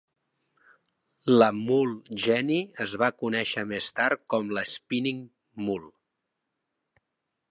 La "mule-jenny" es va conèixer més tard com la "spinning mule".